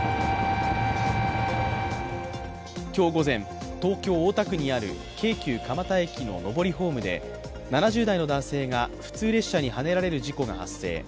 今日午前、東京・大田区にある京急蒲田駅の上りホームで７０代の男性が普通列車にはねられる事故が発生。